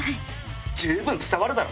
十分伝わるだろ。